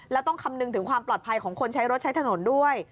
แล้วต้องคำนึงถึงความปลอดภัยของคนใช้รถใช้ถนนด้วย